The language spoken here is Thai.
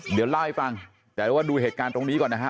เดี๋ยวเล่าให้ฟังแต่ว่าดูเหตุการณ์ตรงนี้ก่อนนะฮะ